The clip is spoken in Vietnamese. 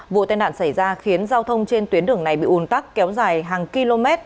vụ tai nạn xảy ra khiến giao thông trên tuyến đường này bị ùn tắc kéo dài hàng km